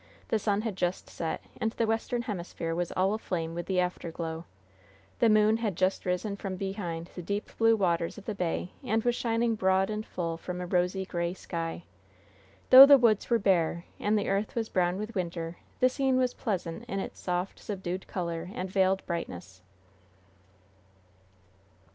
The sun had just set, and the western hemisphere was all aflame with the afterglow. The moon had just risen from behind the deep blue waters of the bay, and was shining broad and full from a rosy gray sky. Though the woods were bare, and the earth was brown with winter, the scene was pleasant in its soft, subdued color and veiled brightness.